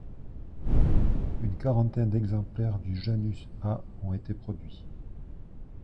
Une quarantaine d'exemplaires du Janus A ont été produits.